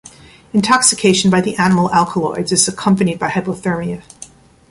Intoxication by the animal alkaloids is accompanied by hypothermia.